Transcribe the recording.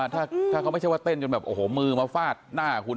ถ้าเขาไม่ใช่ว่าเต้นจนแบบโอ้โหมือมาฟาดหน้าคุณ